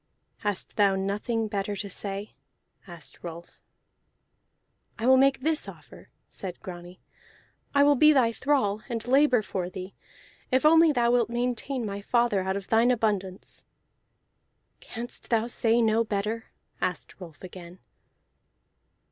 "Hast thou nothing better to say?" asked Rolf. "I will make this offer," said Grani. "I will be thy thrall, and labor for thee, if only thou wilt maintain my father out of thine abundance." "Canst thou say no better?" asked Rolf again.